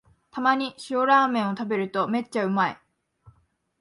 たまに塩ラーメンを食べるとめっちゃうまい